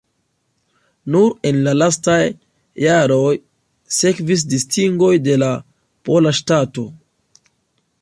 Nur en la lastaj jaroj sekvis distingoj de la pola ŝtato.